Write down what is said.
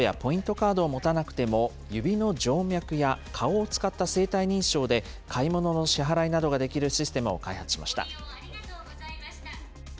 カードを持たなくても、指の静脈や顔を使った生体認証で買い物の支払いなどができるシステムを開発しました。